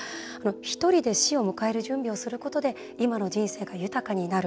ひとりで死を迎える準備をすることで今の人生が豊かになる。